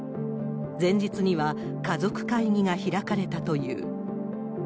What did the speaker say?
前日には家族会議が開かれたという。